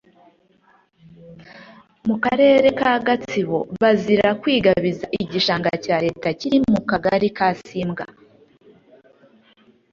mu karere ka Gatsibo bazira kwigabiza igishanga cya Leta kiri mu kagari ka Simbwa